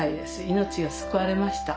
命が救われました。